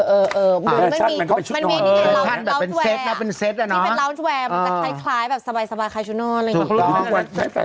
เออมันมีในรัวดแวร์มันจะคล้ายแบบสบายใครชุดนอนอะไรอย่างนี้